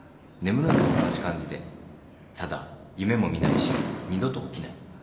眠るのと同じ感じでただ夢も見ないし二度と起きない。